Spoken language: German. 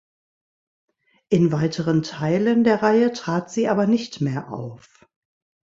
In weiteren Teilen der Reihe trat sie aber nicht mehr auf.